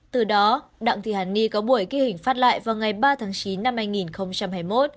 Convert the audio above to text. từ đó đặng thị hàn ni có buổi ghi hình phát lại vào ngày ba tháng chín năm hai nghìn hai mươi một